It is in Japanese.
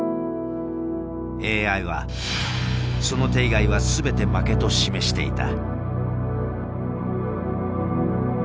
ＡＩはその手以外は全て負けと示していた。